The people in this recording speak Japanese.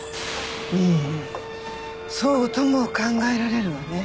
うんそうとも考えられるわね。